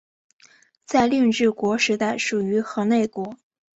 在令制国时代属于河内国。